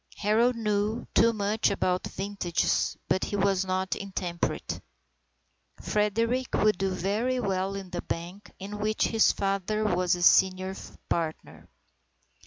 Harold knew too much about vintages, but he was not intemperate. Frederick would do very well in the bank in which his father was a senior partner.